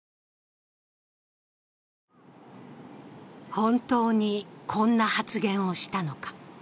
本当にこんな発言をしたのか。